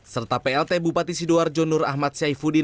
serta plt bupati sidoar jonur ahmad syahifudin